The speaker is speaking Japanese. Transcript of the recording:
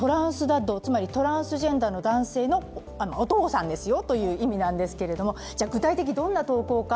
「＃ｔｒａｎｓｄａｄ」、つまりトランスジェンダーの男性のお父さんですよという意味なんですが具体的にどんな投稿か